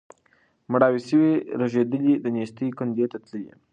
مړاوي سوي رژېدلي د نېستۍ کندي ته تللي